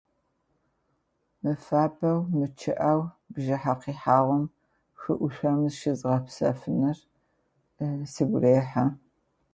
Мыфабэу-мычъыӏэу бжыхьэ къихьэгъум хы lушъом зыщызгъэпсэфыныр сыгу рехьы.